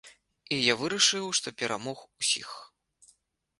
І я вырашыў, што перамог усіх.